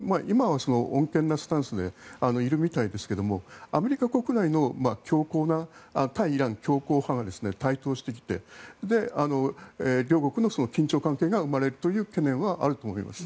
そうするとバイデンさんは今は穏健なスタンスでいるみたいですけどアメリカ国内の強硬な対イラン強硬派が台頭してきて両国の緊張関係が生まれるという懸念はあると思います。